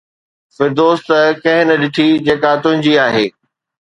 فردوس ته ڪنهن نه ڏٺي جيڪا تنهنجي آهي